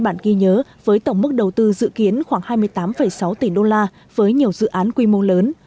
bản ghi nhớ với tổng mức đầu tư dự kiến khoảng hai mươi tám sáu tỷ đô la với nhiều dự án quy mô lớn